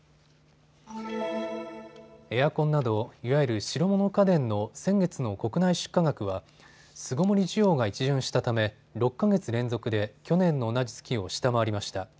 エアコンなどいわゆる白物家電の先月の国内出荷額は巣ごもり需要が一巡したため６か月連続で去年の同じ月を下回りました。